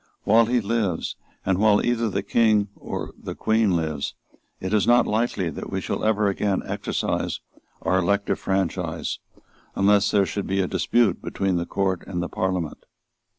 While he lives, and while either the King or the Queen lives, it is not likely that we shall ever again exercise our elective franchise, unless there should be a dispute between the Court and the Parliament.